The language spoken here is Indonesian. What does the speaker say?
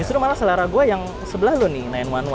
justru malah selera gue yang sebelah lo nih sembilan ratus sebelas